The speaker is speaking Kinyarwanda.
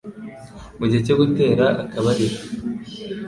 Mu gihe cyo gutera akabariro,